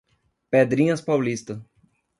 Pedrinhas Paulista